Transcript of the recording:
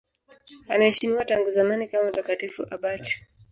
Anaheshimiwa tangu zamani kama mtakatifu abati.